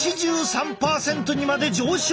８３％にまで上昇！